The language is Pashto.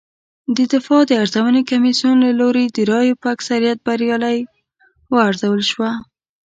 د دفاع د ارزونې کمېسیون له لوري د رایو په اکثریت بریالۍ وارزول شوه